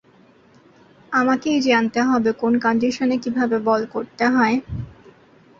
আমাকেই জানতে হবে কোন কন্ডিশনে কীভাবে বল করতে হয়।